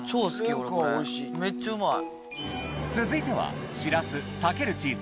俺これめっちゃうまい。